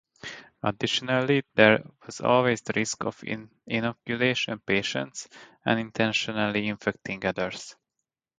Additionally, there was always the risk of inoculation patients unintentionally infecting others.